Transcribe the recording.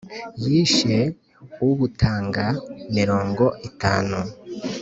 Yishe ubutanga mirongo itanu